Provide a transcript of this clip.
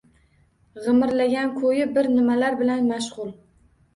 G’imirlagan ko’yi bir nimalar bilan mashg’ul.